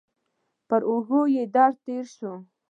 پر اوږه یې درد تېر شو.